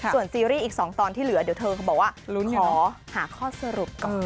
ส่วนซีรีส์อีก๒ตอนที่เหลือเดี๋ยวเธอบอกว่าขอหาข้อสรุปก่อน